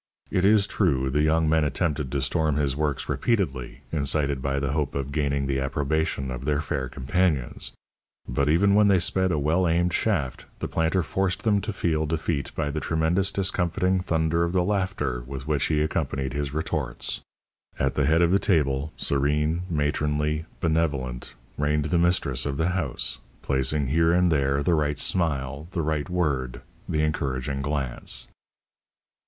It is true, the young men attempted to storm his works repeatedly, incited by the hope of gaining the approbation of their fair companions; but even when they sped a well aimed shaft, the planter forced them to feel defeat by the tremendous discomfiting thunder of the laughter with which he accompanied his retorts. At the head of the table, serene, matronly, benevolent, reigned the mistress of the house, placing here and there the right smile, the right word, the encouraging glance.